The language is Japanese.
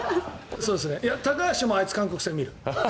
高橋もあいつ、韓国戦見る。